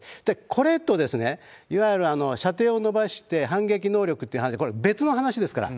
これと、いわゆる射程を延ばして反撃能力って話、これ、別の話ですから。